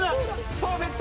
パーフェクト。